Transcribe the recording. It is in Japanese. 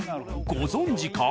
ご存じか！？